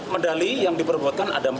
medali yang diperbuatkan ada empat puluh lima